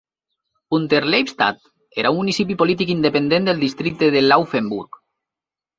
Unterleibstadt era un municipi polític independent del districte de Laufenburg.